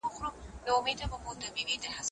مسلمانان د خپلو ژمنو پابند دي.